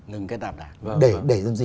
đừng kết nạp đảng